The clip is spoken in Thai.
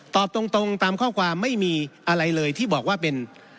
ตรงตามข้อความไม่มีอะไรเลยที่บอกว่าเป็น